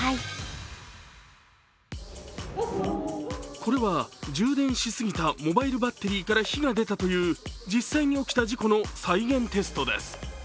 これは充電しすぎたモバイルバッテリーから火が出たという実際に起きた事故の再現テストです。